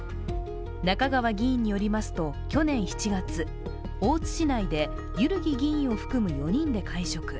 中川議員によりますと、去年７月、大津市内で万木議員を含む４人で会食。